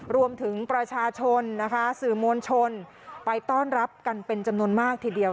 รวมถึงประชาชนนะคะสื่อมวลชนไปต้อนรับกันเป็นจำนวนมากทีเดียว